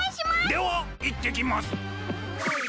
ではいってきます！